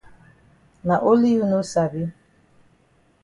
Na only you no sabi.